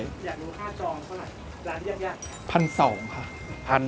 อยากรู้ค่าจองเท่าไหร่